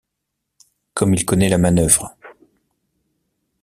Comme il connaît la manœuvre.